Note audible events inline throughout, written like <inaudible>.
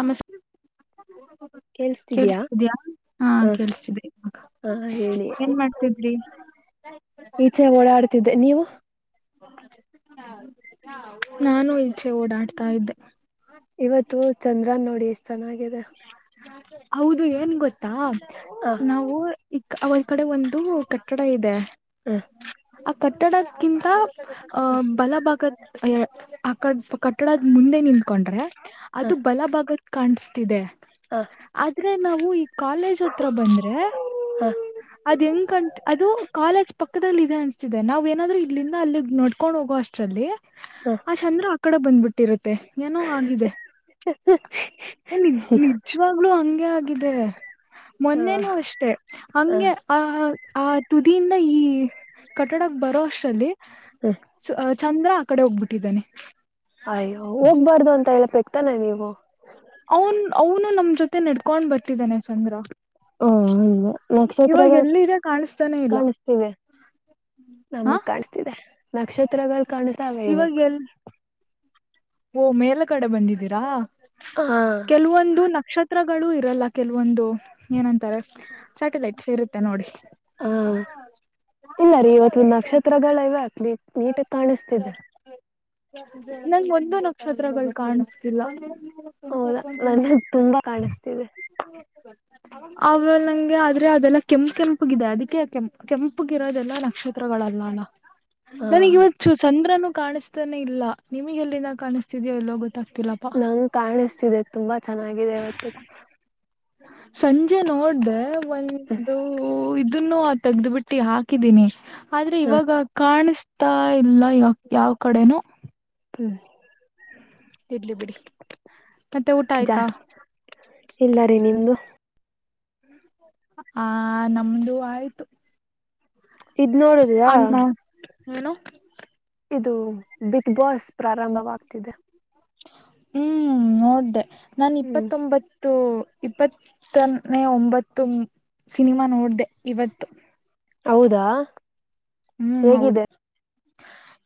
ನಮಸ್ಕಾರ ಕೇೇಳಸ್ತಿದಯಾ ಹಾ ಹ ಕೇಳಿಸ್ತಿದೆ ಇವಾಗ ಹಾ ಹೇಳಿ ಏನ್ ಮಾಡ್ತಿದ್ರಿ ಈಚೆ ಓಡಾಡ್ತಿದ್ದೆ ನೀವು ನಾನು ಈಚೆ ಓಡಾಡ್ತಾ ಇದ್ದೆ ಇವತ್ತು ಚಂದ್ರನ್ ನೋಡಿ ಎಷ್ಟ್ ಚೆನ್ನಾಗಿದೆ ಹೌದು ಏನ್ ಗೊತ್ತ ಾ <unintelligible> ಹ ನಾವು ಅವ ಈ ಕಡೆ ಒಂದು ಕಟ್ಟಡ ಇದೆ ಹಾ ಆ ಕಟ್ಟಡಕ್ಕಿಂತ ಅ ಬಲಭಾಗದ ಆ ಕ ಕಟ್ಟಡದ ಮುಂದೆ ನಿಂಕೊಂಡ್ರೆ ಅದು ಬಲಭಾಗ ಕಂಡ್ಸ್ ಇದೆ ಹಾ ಅಂದ್ರೆ ನಾವು ಈ ಕಾಲೇಜ್ ಹತ್ರ ಬಂದ್ರೆ ಅದ್ ಹೆಂಗ ಅದು ಕಾಲೇಜ್ ಪಕ್ಕ ಪಕ್ಕದಲ್ಲಿ ಇದೆ ಅನ್ಸ್ತಿದೆ ನಾವ ಏನಾದ್ರು ಇಲ್ಲಿಂದ ಅಲ್ಲಿ ನೋಡ್ಕೊಂಡ್ ಹೋಗೋ ಅಷ್ಟ್ರ ಅಲ್ಲಿ ಹ ಹ ಆ ಚಂದ್ರ ಅಕಡೆ ಬಂದ್ಬಟ್ಟಿರೆ ಮ ಏನೋ ಆಗಿದೆ ನಿ ನಿಜವಾಗ್ಲೂ ಹಂಗೆ ಆಗ ಹೇಗಿದೆ ಮೊನ್ನೇನು ಅಷ್ಟೆ ಹಂಗೆ ಹ ಆ ಆ ತುದಿಯಿಂದ ಈ ಕಟ್ಟಡಕ್ ಬರೋ ಅಷ್ಟಲ್ಲಿ ೌ <unintelligible> ಚಂದ್ರ ಆ ಕಡೆ ಹೋಗ್ಬಿಟ್ಟಿದ್ದಾನನೆ ಆಯ ಹೋಗ್ಬಾರ್ದು ಅಂತ ಹೇಳಬೇಕಕ್ ತ್ತಾನ ನೀವು ಅವನ್ ಅವನು ನಮ್ ಜೊತೆ ನಡ್ಕೊಂಡ್ ಬರ್ತಿದಾನೆ ಸಣ್ವರ ಹ್ಮ ನಕ್ಷತ್ರಗಳ್ ಎಲ್ಲಿದೆ ಕಾಣಿಸ್ತಾನೆ ಇಲ್ಲ ಕಾಣಸ್ತಿವೆ ಹ ನಮಗ್ ಕಾಣಿಸ್ತಿದೆ ನಕ್ಷತ್ರಗಳು ಕಾಣ್ತಾವೇ ಇವಾಗ ಓ ಮೇಲ ಕಡೆ ಬಂದಿದ್ದೀರಾ ಹ ಕೆಲವೊಂದು ನಕ್ಷತ್ ಚಿತ್ರಗಳು ಇರಲ್ಲ ಕೆಲವೊಂದು ಏನಂತಾರೆ ಸ್ಯಾಟಲೈಟ್ಸ್ ಇರುತ್ತೆ ನೋಡಿ ಹಾ ಇಲ್ಲ ರೀ ಇವತ್ತು ನಕ್ಷತ್ರಗಳ ಇವ್ಯಾ ನೀ ನೀಟಗ್ ಕಾಣಿಸ್ತಿದೆ ನ <unintelligible> ನಕ್ಷತ್ರಗಳು ಕಾಣಸ್ತಿಲ್ಲ ಹೌದಾ ನನಗೆ ತುಂಬಾ ಕಾಣಿಸ್ತಿದೆ ಅವ ನಂಗೆ ಆದ್ರೆ ಅದೆಲ್ಲ ಕೆಂಪ್ ಕೆಂಪಗಿದೆ ಅದಕ್ಕೆ ಕೆಂಪ್ ಕೆಂಪಗಿರೋದೆಲ್ಲಾ ನಕ್ಷತ್ರಗಳಲ್ಲ ಅಲ ಹ ಬೆಳಿಗ್ ಇವತ್ತು ಚಂದ್ರನು ಕಾಣಿಸ್ತಾನೆ ಇಲ್ಲ ನಿಮಿಗೆಲ್ಲಿನ ಕಾಣಿಸ್ತೀದಿಯೋ ಎಲ್ಲೋ ಗೊತ್ ನಂಗ್ ಕಾಣಿಸ್ತಿದೆ ತುಂಬಾ ಚೆನ್ನಾಗಿದೆ ಇವತ್ತು ಸಂಜೆ ನೋಡ್ದೆ ಒಂದು ಊ ಇದ್ ಇದನ್ನು ತೆಗ್ದು ಬಿಟ್ಟಿ ಹಾಕಿದೀನಿ ಆದ್ರೆ ಹ ಇವಾಗ ಕಾಣಿಸ್ ತ್ತ ಇಲ್ಲ ಯಾವ್ ಯಾವ ಕಡೆನು ಹ್ಮ ಹ <inaudible> ಇರ್ಲಿ ಬಿಡಿ ಮತ್ತೆ ಊಟ ಆಯ್ತಾ ಜಾಸ್ತಿ ಇಲ್ಲ ರೀ ನಿಮ್ದು ಆ ನಮ್ದು ಆಯ್ತು ಇದ್ ನೋಡದಿಯಾ ಅನ್ನ ಏನು ಇದು ಬಿಗ್ ಬಾಸ್ ಪ್ರಾರಂಭವಾಗ್ತಿದೆ ಹ್ಮ್ ನೋಡ್ದೆ ನಾನು ಹ್ಮ್ ಇಪ್ಪತ್ತೊಂಬತ್ತು ಇಪ್ಪತ್ತನೇ ಒಂಬತ್ತು ಸಿನಿಮಾ ನೋಡ್ಡೆ ಇವತ್ತು ಹೌದಾ ಹ್ಮ್ ಹೌದು ಹೇಗಿದೆ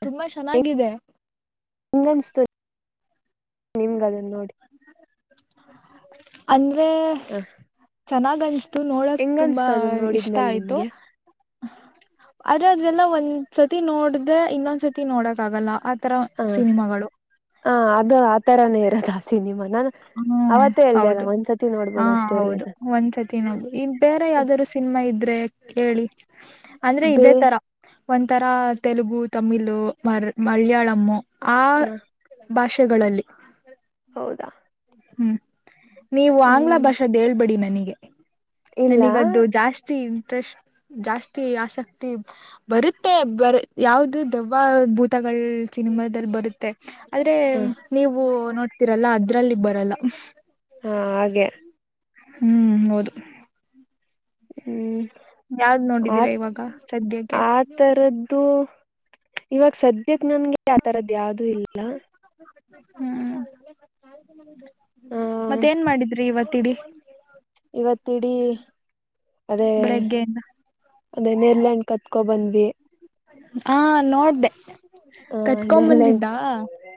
ತುಂಬಾ ಚೆನ್ನಾಗಿದೆ ಹೆಂಗ್ಗನ್ಸ್ತು ನಿಮ್ಗದನ್ ನೋಡಿ ಅಲ್ <unintelligible> ಹ ಚೆನ್ನಾಗ ಅನ್ಸ. ಇವನೊಳಕ್. ಹೆಂಗನ್ಸ್ತು ಅದನ್ನ ನೋಡಿದ್ಮೇಲೆ ನಿಮ್ಗೆ <inaudible> ಇದೆಲ್ಲಾ ಒಂದ್ ಸತಿ ನೋಡಿದ್ರೆ ಇನ್ನೊಂದ ಸತಿ ನೋಡಕ್ ಆಗಲ್ಲ. ಆತರ ಹಾ ಸಿನಿಮಾಗಳು ಹ ಅದು ಆ ತರಾನೆಯಾ. ಅಧಾ ಸಿನಿಮಾ. ನಾನು ಹ್ಮ ಅವತ್ತೇ ಹೇಳ್ದೆ ಅಲ್ಲ ಹೌದು ಒಂದ್ಸತಿ ಹಾ ನೋಡ್ಬೋದು ಅಷ್ಟೇ ರೀ ಹೌದು ಅದ ಒಂದ್ಸತಿ ನೋಡು ಈ ಬೇರೆ ಯಾವುದಾದ್ರೂ ಸಿನಿಮಾ ಇದ್ರೆ. ಕೇಳಿ. ಅಂದ್ರೆ ಬೇ ಇದೆ ತರಾ. ಒಂಥರಾ ತೆಲುಗು ತಮಿಳ್ ಮರ್ ಮಲಯಾಳಂ ಆ ಹ ಭಾಷ್ ಗಳಲ್ಲಿ. ಹೌದಾ. ಹ್ಮ್. ನೀವು ಆಂಗ್ಲ ಹ್ಮ್ ಭಾಷಾದ ಹೇಳ್ಬೇಡಿನೆ. ನಿಗೆ. ಇಲ್ಲ ನನಿಗದ್ದು ಜಾಸ್ತಿ. ಜಾಸ್ತಿ ಆಸಕ್ತಿ ಬರುತ್ತೆ ಬರ ಯಾವದು ದೆವ್ವ ಭೂತಗಳ್ ಸಿನಿಮಾದಲ್ಲಿ ಬರುತ್ತೆ. ಆದ್ರೆ ಹ ನೀವು ನೋಡಿ. ಆಗ್ತಿರಲ್ಲಾ ಅದ್ರಲ್ಲಿ ಬ. ಎಲ್ಲ. ಹಾ ಹಾಗೆ. ಹ್ಮ್ ಹೌದು. ಹ್ಮ್. ಯಾವ್ದ್ ಆ ನೋಡಿದೀರಾ ಇವಾಗ ಸದ್ಯಕ್ಕೆ. ಆ ತರದ್ದು ಇವಾಗ ಸದ್ಯಕ್ ನನ್ಗೆ ಆತರದ. ಯಾವ್ದೂ ಇಲ್ಲ. ಹ್ಮ್. ಆ ಮತ್ತೆ ಏನ್ ಮಾಡಿದ್ರಿ ಇವತ್ತ ಇಡೀ. ಇವತ್ತ ಇಡೀ ಅದೇ ಬೆಳಗ್ಗೆಯಿಂದ ಅದೇ ನೆರ್ಲೆಹನ್ ಕತ್ಕೊಬಂದ. ವೆ. <inaudible> ಹಾ ನೋಡ್ದೆ. ಆ ನೇರ್ಲೆಹಣ್ ಕತ್ಕೊಂಬಂದಿದ್ದಾ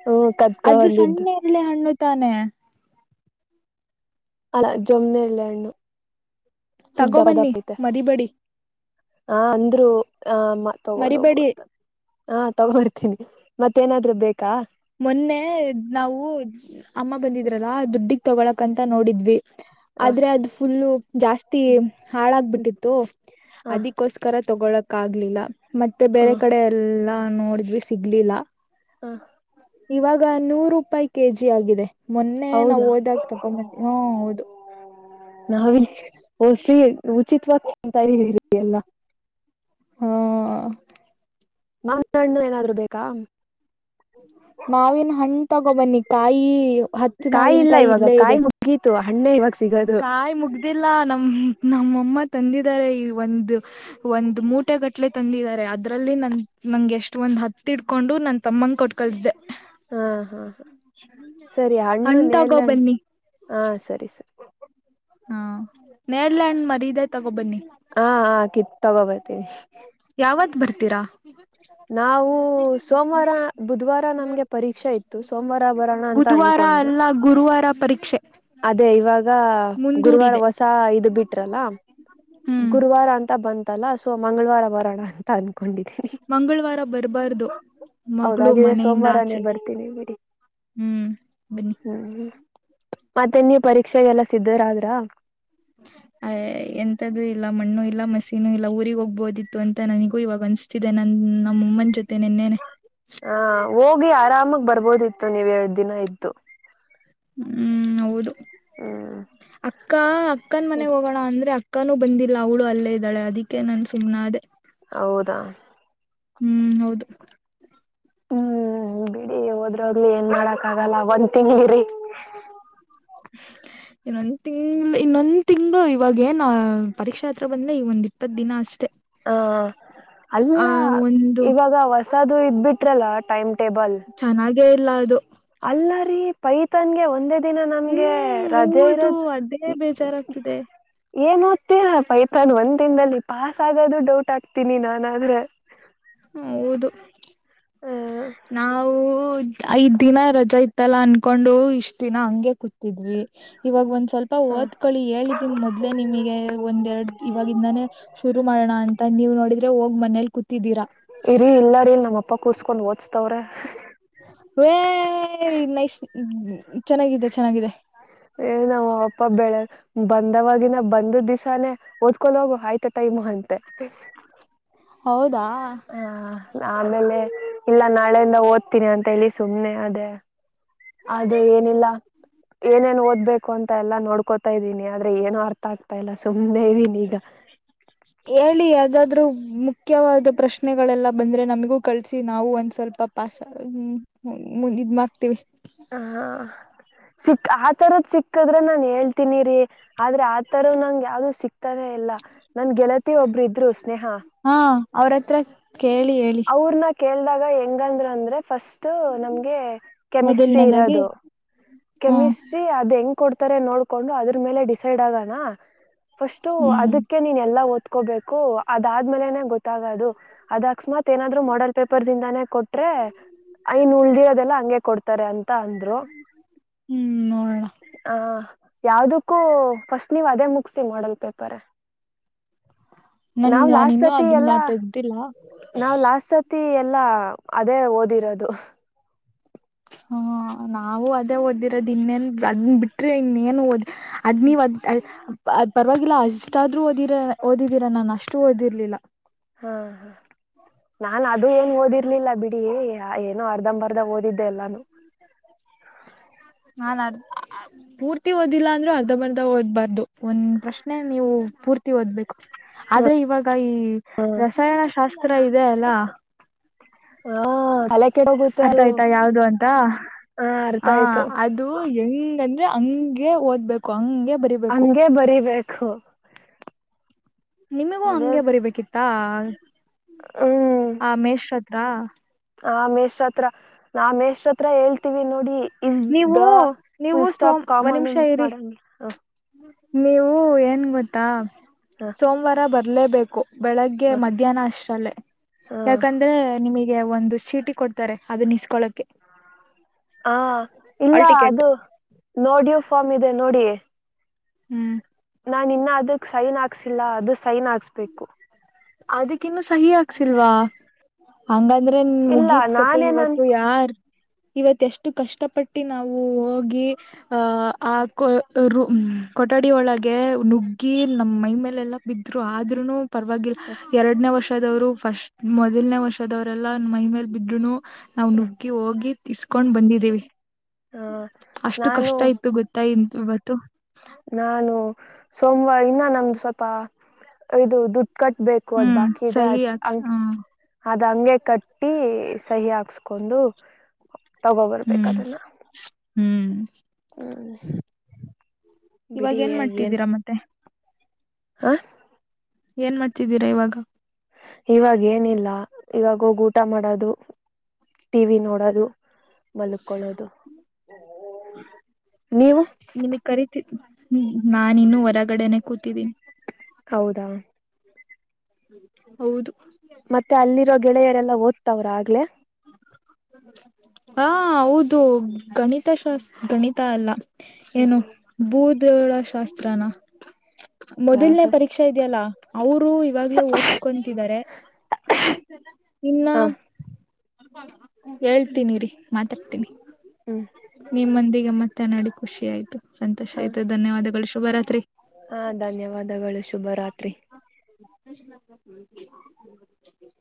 ಹ್ಮ್ ಕತ್ಕೊ ಅದು ಬಂದಿದ್ದು ಸಣ್ಣನೆರ್ಲೆ ಹಣ್ಣು. ತಾನೆ. ಅಲ್ಲಾ ಜೊಮ್ಮನೆರ್ಲೆಹಣ್ಣು. ತಗೋಬನ್ನಿ ಮರಿಬಡಿ. ಹ ಅಂದ್ರು. ಹಮ್ಮ ತಗೊಂಡ್ ಹೋಗುವ ಮರಿಬೇಡಿ ಅಂತ ಹಾ ತಗೊಂಡಿರ್ತೀನಿ. ಮತ್ತೇನಾದ್ರರು ಬೇಕು. ಮೊನ್ನೆ ನಾವು ಅಮ್ಮ ಬಂದಿದ್ರಲ್ಲಾ ದುಡ್ಡಿ. ತಗೊಕಕ್ ಅಂತ ನೋಡಿದ್ವಿ. ಹ ಆದ್ರೆ ಅದು ಫುಲ್ಲ. ಜಾಸ್ತಿ ಹಾಳಾಗಬಿಟ್ಟಿತ್ತು ಹ ಅದಕ್ಕೋಸ್ಕರ. ತಗೊಳಕಾಗ್ಲಿಲ್ಲಾ. ಮತ್ತೆ ಹ ಬೇರೆ ಕಡೆ ಎಲ್ಲಾ. ನೋಡಿದ್ವಿ ಸಿಗ್ಲಿಲ್ಲ ಹಾ. ಇವಾಗ ನೂರು ರೂಪಾಯಿ ಕೆಜಿ ಆಗಿದೆ ಮೊನ್ನೆ ಹೌದಾ ನಾವವು ಓದಾಗ ತಗೊಬನ್ನಿ ಹಾ ಹೌದು. ನಾವಿ್ರೀ ಉಚಿತವಾಗಿಂತ ಇರ ಎಲ್ಲ. ಹ್ಮ. ನಮ್ಮಣ್ಣ ಏನಾದ್ರು ಬೇಕು. ಬ. ಮಾವಿನ ಹಣ್ಣ್ ತಗೋ ಬನ್ನಿ ಕಾಯಿ. ಹತ್ತು ಕಾಯಿ ಇಲ್ಲ ಮಾವಿನಕಾಯಿ ಇವಾಗ ಇಲ್ಲೇ ಕಾಯಿ ಇದೆ ಮುಗಿ. ಹಣ್ಣ ಇವ. ಕಾಯಿ ಮುಗ್ದಿಲ್ಲ ನಮ. ನಮ್ಮಮ್ಮ ತಂದಿದ್ದಾರೆ ಈ ಒಂದು ಒಂದು ಮೂಟೆ ಗಟ್ಲೆ ತಂದಿದ್ದಾರೆ ಅದ್ರಲ್ಲಿ ನನ್ ನಂಗೆ ಎಷ್ಟ ಒಂದ್ ಹತ್ತಿಡ್ಕೊಂಡು ನನ್ ತಮ್ಮನ್ ಕೊಟ್ಟ ಕಳಸ್ದಿದೆ. ಹಾ ಹಾ ಹಾ ಸರಿ ಹಣ್ಣು ಹಣ್ ತಗೋ ನೆಲ್ಲಣ ಬನ್ನಿ ಹಾ ಸರಿ ಸರಿ. ಹಾ. ನೆರ್ಲೆಹಣ್ ಮರಿ ಇದೇ ತಗೋಬನ್ನಿ. ತಗೋಬರ್ತೀಿ. ಯಾವತ್ ಬರ್ತೀರಾ. ನಾವು ಸೋಮವಾರ ಬುಧ್ವಾರ ನಮ್ಗೆ ಪರೀಕ್ಷೆ ಇತ್ತು ಸೋಮವಾರ ಬರೋಣ ಅಂತ ಬುಧವಾರ ಅನ್ಕೊಂಡೆ. ಅಲ್ಲ ಗುರುವಾರ ಪರೀಕ್ಷೆ ಅದೇ ಇವಾಗ ಗುರುವಾರ ಮುಂದೂಡಿದೆ ಹೊಸ ಇ ಬಿಟ್ರಲ್ಲ ಹ್ಮ್ ಗುರುವಾರ ಅಂತ. ಬಂದ. ಲ್ಲ ಸೊ ಮಂಗಳವಾರ ಬರೋಣ. ತನ್ು. ಮಂಗಳವಾರ ಬರ್ಬಾರ್ದು ಮಗಳು ಹೌದಾಗಿದ್ರೆ ಮನೆಯಿಂದ ಸೋಮವಾರಾನೇ ಆಚೆ ಬರ್ತೀನಿ ಬಿಡಿ ಹ್ಮ್ ಬನ್ನಿ ಹ್ಮ್ ಮತ್ತೆ ನೀ ಪರೀಕ್ಷೆಗೆಲ್ಲ ಸಿದ್ದರಾದ್ರ ಅ್ ಎಂತದೂ ಇಲ್ಲ ಮಣ್ಣು ಇಲ್ಲ ಮಸೀನೂ ಇಲ್ಲ ಊರಿರಿಗೆ ಹೋಗ್ಬೋದಿತ್ತು ಅಂತ ನನಿಗೂ ಇವಾಗ ಅನ್ಸ್ತಿದೆ ನನ್ ನಮ್ಮಮ್ಮನ ಜೊತೆ ನಿೆನ್ನೆ ಹ ಹೋಗಿ ಆರಾಮಾಗ ಬರ್ಬೋದಿತ್ತು ನೀವ್ ಎರಡ್ ದಿನ ಇದ್ದು ಹ್ಮ್ ಹೌದು ಹ್ಮ್ ಅಕ್ಕ ಅಕ್ಕನ್ ಮನೆಗ್ ಹೋಗೋಣ ಅಂದ್ರೆ ಅ ಅಕ್ಕಾನೂ ಬಂದಿಲ್ಲ ಅವಳು ಅಲ್ಲೇ ಇದಾಳೆ ಅದಿಕ್ಕೆ ನನ್ ಸು್ನೆ ಅದೇ ಹೌದಾ ಹ್ಮ್ ಹೌದು ಹ್ಮ್ ಬಿಡಿ ಹೋದ್ರ ಹದ್ಲಿ ಏನ್ ಮಾಡಕ್ ಆಗಲ್ಲ ಒಂದ್ ತಿಂಗಿರಿ ಇನ್ನೊಂದ್ ತಿಂಗ್ಳ ಇನ್ನೊಂದ್ ತಿಂಗ್ಗಳು ಇವಾಗ ಏನ್ ಪರೀಕ್ಷಾ ಹತ್ರ ಬಂದ್ರೆ ಈ ಒಂದ್ ಇಪ್ಪತ್ ದಿನ ಅಷ್ಟೆ ಹಾ ಅಲ್ಲ ಆ ಒಂದು ಇವಾಗ. ಅದು ಇ ಬಿಟ್ರಲ್ಲ ಟೈಮ್. ಟೇಬಲ್. ೇ ಇಲ ಅದು ಅಲ್ಲರಿೀ ಪೈತನ್ಗೆ ಒಂದೇ ಿನ ನಮ್ಗೆ ಹ್ಮ್ ರಜೆ ಹೌದು ಇರೋದು ಅದೇ ಬೇಜಾರಾಗ್ತಿದೆ ಏನ್ ಓದ್ತೀರ ಪೈತನ್ ಒಂದ್ ದಿನದಲ್ಲಿ ಪಾಸ್ ಆಗದು ಡೌಟ್ ಆಗ್ತೀನಿ ನಾನನ್ ಆದ್ರೆ ಹ ಹೌದು ಹ್ಮ್ ನಾವು ಐದ್ ದಿನ ರಜಾ ಇತ್ತಲ್ಲ ಅನ್ಕೊಂಡು ಇಷ್ಟ ದಿನ ಹಂಗೆ ಕೂತಿದ್ವಿ ಇವಾಗ ಒಂದ್ ಸ್ವಲ್ಪ ಹ್ಮ ಓದ್ಕಳಿ ಹೇಳಿದೀನ ಮೊದ್ಲೇ ನಿಮಗೆ ಒಂದ್ೆರಡು ಇವಾಗಿವಾಗಿಂದಾನೇ ಶುರು ಮಾಡೋಣ ಅಂತ ನೀವು ನೋಡಿದ್ರೆ ಹೋಗ್ ಮನೇಲಿ ಕೂತಿದ್ದೀರಾ ಇ ರೀ ಇಲ್ಲ ರೀ ನಮ್ಮ ಅಪ್ಪ ಕೂಸ್ಕೊಂಡ ಹಓದ್ ಹಚ್ತವ್ರ ೇ ನೈಸ್ ಚೆನ್ನಾಗಿದೆ ಚೆನ್ನಾಗಿದೆ ಏ ನಾವ ಅಪ್ಪ ಬೆಳೆ ಬಂದವಾಗಿವಾಗಿನ ಬಂದ ದಿವಸಾನೇ ಓದ್ಕೊೊಂಡ ಹೋಗು ಆಯ್ತಾ ಟೈಮ್ ಅಂತೆ ಹೌದಾ ಹಾ ಆಮೇಲೆ ಇಲ್ಲ ನಾಳೆಯಿಂದ ಓದ್ತೀನಿ ಅಂತ ಹೇಳಿ ಸುಮ್ನೆ ಅದೇ ಅದು ಏನಿಲ್ಲ ಏನೇನು ಓದ ಹ ಬಬೇಕು ಅಂತ ಎಲ್ಲಾ ನೋಡ್ಕೋತಾ ಇದೀನಿ ಆದ್ರೆ ಏನನು ಅರ್ಥ ಆಗ್ತಾ ಇಲ್ಲ ಸುಮ್ಮ್ನೆ ಇದ್ದೀನಿ ಈಗ ಹೇಳಿ ಯದಾದ್ರೂ ಮುಖ್ಯವಾದ ಪ್ರಶ್ನೆಗಳೆಲ್ಲ ಬಂದ್ರೆ ನಮಗೂ ಕಳ್ಸಿ ನಾವು ಒಂದ್ ಸ್ವಲ್ಪ ಪಸ್್ಮ ಇದ್ ಮಾಡ್ತೀವಿ ಹ ಸಿಕ್ ಆತರದ ಸಿಕ್ಕದ್ರ ನಾನ್ ಹೇಳ್ತಿನಿರಿ ಆದ್ರೆ ಆತರ ನಂಗ ಯಾವ್ದು ಸಿಕ್ ತಾನೇ ಇಲ್ಲಾ ನನ್ ಗೆಳತಿ ಒಬ್ಬರು ಇದ್ರು ಸ್ನೇಹ ಹಾ ಅವ್ರ ಹತ್ರ ಕೇಳಿ ಹೇಳಿ ಇಾಗ ಹೆಂಗಂದ್ರ ಅಂದ್ರೆ ಫಸ್ಟ್ ಥೂ ನಮ್ಗೆ ಕೆಮಿಸ್ಟ್ರಿ ಮೊದಲನೇದಾಗಿ ಇರೋದು ಹ್ಮ ಕೆಮಿಸ್ಟ್ರಿ ಅದೇ ಹೆಂಗ್ ಕೊಡ್ತಾರೆ ನೋಡ್ಕೊಂಡು ಅದ್ರ ಮೇಲೆ ಡಿಸೈಡ್ ಆಗಣ ಫಸ್ಟು ಹ್ಮ್ ಅದಕ್ಕೆ ನೀನೆ ಎಲ್ಲ ಓದ್ ಕುತ್ಕೋಬೇಕು ಅದಾದ್ಮೇಲೆನೆ ಗೊತ್ತಾಗದು ಅದ ಅಕಸ್ಮತ್ ಏನಾದ್ರು ಮಾಡಲ್ ಪೇಪರ್ಸ್ ಇಂದಾನೇ ಕೊಟ್ರೆ ಐನ್ ಉಳ್ದಿರೋದೆಲ್ಲಾ ಹಂಗೆ ಕೊಡ್ತಾರೆ ಅಂತ ಅಂದ್ರು. ಹ್ಮ್ ನೋಡೋಣ ಹ ಯಾವ್ದಕ್ಕೂ ಫಸ್ಟ್ ನೀವ್ ಅದೇ ಮುಗಸಿ ಮಾಡಲ್ ಪೇಪರ್. ನನ್ ನಾವ್ ನಾನ್ ಲಾಸ್ಟ್ ಇನ್ನುೂ ಸತಿ ಅದಿನ ಎಲ್ಲಾ ತೆಗೆದಿಲ್ಲ. ನಾವ್ ಲಾಸ್ಟ್ ಸತಿ ಎಲ್ಲಾ ಅದೇ ಓದಿರೋದು. ಹಾ ನಾವು ಅದೇ ಓದಿರೋದ ಇನ್ನೇನ್ ಅದ ಬಿಟ್ರಿ ಇನ್ನೇನ್ ಓದಿ ಅದ್ ನೀವದ ಅದ್ ಪರವಾಗಿಲ್ಲ ಅಷ್ಟಾದ್ೂ ಓದಿರ ಓದಿದೀರಾ ನಾನನ್ ಅಷ್ಟು ಓದಿರ್ಲಿಲ್ಲ ಹ ನಾನ್ ಅದು ಏನ್ ಓದಿರ್ಲಿಲ್ಲ ಏನೋ ಅರ್ಧಂಬರ್ದ ಓದಿದ್ದೆ ಎಲ್ಲಾನು ನಾನ್ ಅರ್ಧ ಪೂರ್ತಿ ಓದಿಲ್ಲ ಅಂದ್ರೂ ಅರ್ಧ ಬರ್ಧ ಓದ್ಬಾರ್ದು ಒಂದ್ ಪ್ರಶ್ನೆ ನೀವು ಪೂರ್ತಿ ಓದ್ಬೇಕು ಆದ್ರೆ ಇವಾಗ ಕ ಈ ಹ್ಮ ರಸಾಯನ ಶಾಸ್ತ್ರ ಇದೆ ಅಲ್ಲಾ. ಹಾ ತಲೆ ಕಡ ಹೋಗುತ್ತ ಅದು ಆಯ್ತಾ ಯಾವ್ದು ಅಂತ ಹ ಅರ್ಥ ಆ ಆಯ್ತು. ಅದು ಹೆಂಗಂದ ಹಂಗೆ ಓದ್ಬೇಕು ಹಂಗೆ ಬರಿಬೇಕು ಹಂಗೆ ಬರಿಬೇಕ ಥೋ ನಿಮಗೂ ಹಂಗೆ ಬರಿಬೇಕಿತ್ತು ಹಾ ಹ್ಮ್ ಆ ಮೇಷ ಆ ಆ ಮೇಷ್ರ ಹತ್ರ ನಾ ಮೇಷ್ರ ಹತ್ರ ಹೇಳ್ತೀವಿ ನೋಡಿ ಇಸ್ ನೀವು ದ ನೀವು ಫುಲ್ಸ್ಟಾಪ್ ಸೋಮ್ ಒಂದ್ ಕಾಮನೂ ನಿಮಿಷ ಮಿಸ್ ಇರಿ ಮಾಡಂಗ ನೀವು ಏನ್ ಗೊತ್ತಾ ಹ ಸೋಮವಾರ ಬರ್ ಇರಲೇಬೇಕು. ಬೆಳಗ್ಗೆ ಹ ಮಧ್ಯಾಹ್ನ ಅಷ್ಟಲ್ಲೇ ಹ ಯಾಕಂದ್ರೆ ನಿಮಗೆ ಒಂದು ಶಿಟಿ ಕೊಡ್ತಾರೆ ಅದನ್ನ ಇಸ್ಕೊಳಕ್ಕೆ. ಹಾ ಇಲ್ಲ ಹಾಲ್ ಟಿಕೆಟ್ ಅದು ನೋಡಿಯೂ ಫಾರ್ಮ್ ಇದೆ ನೋಡಿ. ಹ್ಮ್ ನಾನಿನ್ನ್ ಅದಕ ಸೈನ್ ಹಾಕ್ಸಿಲ್ಲ ಅದು ಸೈನ್ ಹಾಸ್ಬೇಕು. ಅದಕ್ಕಿನ್ನು ಸಹಿ ಆಕ್ಸಿಲ್ವಾ ಹಂಗಾ ಅಂದ್ರೆನ್ ಇಲ್ಲ ಮುಗೀತ್ ಕತೆ ನಾನೇ ನನ್ ಇವತ್ತು ಯಾರ್ ಇವತ್ ಎಷ್ಟ ಕಷ್ಟಪಟ್ಟಿ ನಾವು ಹೋಗಿ ಆ ಆ ಕೊ. ರು ಕೊಠಡಿ ಒಳಗೆ ನುಗ್ಗಿ ನಮ್ಮ್ ಮೈ ಮೇಲೆ ಎಲ್ಲ ಬಿದ್ರು ಆದ್ರುನು ಪರವಾಗ್ ಎರ್ಡ್ನೇ ವರ್ಷ. ವರ್ಷದವ್ರು ಫಸ್ಟ್ ಮೊದಲನೇ ವರ್ಷದವರೆಲ್ಲ ಮೈ ಮೇಲೆ ಬಿದ್ರೂನು. ನಾವ್ ನುಗ್ಗಿ ಹೋಗಿ. ಇಸ್ಕೊಂಡ್ ಬಂದಿದ್ದೀವಿ. ನಾನು ಅಷ್ಟು ನಾನು ಕಷ್ಟ ಇತು ಗೊತ್ತಾ ಇ ಇವತ್ತು ನಾನು ಸೋಮ್ವಾರ ಇನ್ನ ನನ್ ಸ್ವಲ್ಪ ಇದು ದು ಕಟ್ಬೇಕು ಅದ್ ಹ್ಮ್ ಬಾಕಿ ಇದೆ ಸಹಿ ಅದ್ ಹಾಕ್ಸ್ ಹ್ಮ್ ಆದ್ ಹಂಗೆ ಕಟ್ಟಿ ಸಹಿ ಹಾಕ್ಸ್ಕೊಂಡು. ತಗೊ ಬರ್ಬೇಕ್ ಹ್ಮ್ ಅದನ್ನ. ಹ್ಮ್ ಹ್ಮ್ ಇವಾಗ್ ಏನ್ ಮಾಡ್ತಿದ್ದೀರಾ ಮತ್ತೆ. ಹ ಏನ್ ಮಾಡ್ತಿದ್ದೀರಾ ಇವಾಗ. ಇವಾಗ್ ಏನಿಲ್ಲ ಇವಾಗ್ ಹೋಗ್ ಊಟ ಮಾಡದು ಟಿವಿ ನೋಡದು. ಮಲ್ಕೊಳ್ಳೋದು ನೀವು ನಿಮಿಗ್ ಕರಿತೀ. ಹ್ಮ್ ನಾನಿನು ಹೊರಗಡೆನೆ ಕೂತಿದ್ದೀನಿ. ಹೌದಾ ಹೌದು ತವ್ರ ಆಗ್ಲೇ. ಹಾ ಹೌದು ಗಣಿತ ಶಾಸ್ ಗಣಿತ ಅಲ್ಲ. ಹ್ಮ್ ಏನು ಬೂದ್ ದೇವ್ಳ ಶಾಸ್ತ್ರಾನ. ಯಾವ ಮೊದಲ್ನೇ ಪರೀಕ್ಷೆ ಇದೆಯಲ್ಲಾ ಅವರು ಇವಾಗ್ಲೇ ಓದ್ಕೊಂತಿದ್ದಾರೆ. ಇನ್ನ ಹ ಹೇಳ್ತೀನಿರೀ ಮಾತಾಡ್ತೀನಿ. ಹ್ಮ್ ನಿಮ್ಮಂದಿಗೆ ಮಾತನಾಡಿ ಖುಷಿ ಆಯ್ತು. ಸಂತೋಷ ಆಯ್ತು ಧನ್ಯವಾದಗಳು ಷ್ ಬರಾತ್ರಿ ಹಾ ಧನ್ಯವಾದಗಳು ಶುಭ ರಾತ್ರಿ <inaudible>